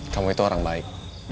kamu itu orang baik